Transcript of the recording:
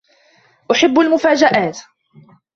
أحب المفاجئات.